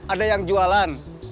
ada yang jualan